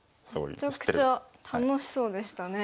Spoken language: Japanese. めちゃくちゃ楽しそうでしたね。